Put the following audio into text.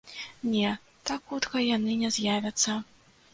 Не, так хутка яны не з'явяцца.